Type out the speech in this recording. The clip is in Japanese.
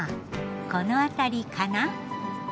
この辺りかな？